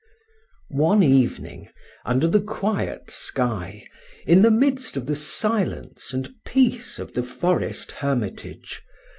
One evening, under the quiet sky, in the midst of the silence and peace of the forest hermitage, M.